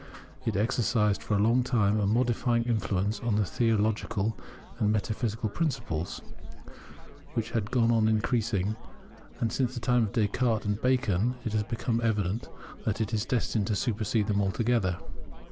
It exercised for a long time a modifying influence upon theological and metaphysical principles, which has gone on increasing; and since the time of Descartes and Bacon it has become evident that it is destined to supersede them altogether.